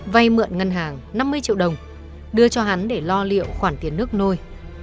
vay mượn ngân hàng năm mươi triệu đồng đưa cho hắn để lo liệu khoản tiền nước nuôi